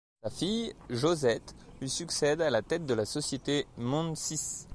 Sa fille Josette lui succède à la tête de la société Monde Six.